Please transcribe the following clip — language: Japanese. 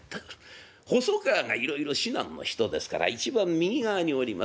細川がいろいろ指南の人ですから一番右側におります。